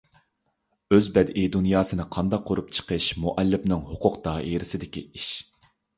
ئۆز بەدىئىي دۇنياسىنى قانداق قۇرۇپ چىقىش مۇئەللىپنىڭ ھوقۇق دائىرىسىدىكى ئىش.